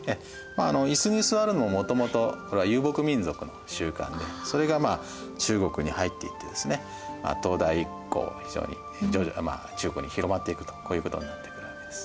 椅子に座るのはもともとこれは遊牧民族の習慣でそれが中国に入っていってですね唐代以降非常に徐々に中国に広まっていくとこういうことになってくるわけです。